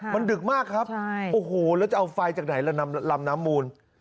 มันดึกมากครับโอ้โหแล้วจะเอาไฟจากไหนล่ะลำน้ำมูล